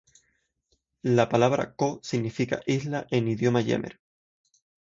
La palabra "Koh" significa "Isla" en Idioma jemer.